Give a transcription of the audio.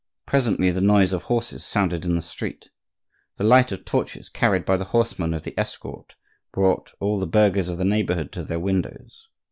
Presently the noise of horses sounded in the street. The light of torches carried by the horsemen of the escort brought all the burghers of the neighborhood to their windows.